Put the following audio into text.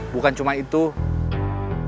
bukan cuma ini mereka nyari kamu sama yang lain